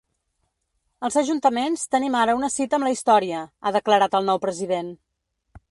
Els ajuntaments tenim ara una cita amb la història, ha declarat el nou president.